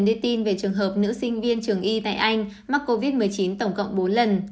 đưa ra một thông tin về trường hợp nữ sinh viên trường y tại anh mắc covid một mươi chín tổng cộng bốn lần